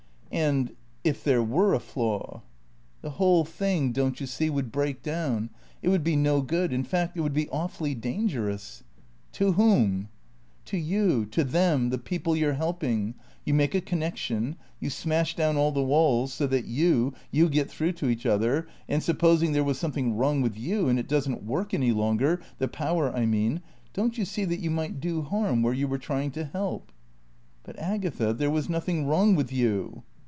"And if there were a flaw?" "The whole thing, don't you see, would break down; it would be no good. In fact, it would be awfully dangerous." "To whom?" "To you to them, the people you're helping. You make a connection; you smash down all the walls so that you you get through to each other, and supposing there was something wrong with you, and It doesn't work any longer (the Power, I mean), don't you see that you might do harm where you were trying to help?" "But Agatha there was nothing wrong with you."